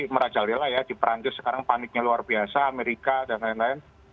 merajalila ya diperantus sekarang paniknya luar biasa amerika dan lain lain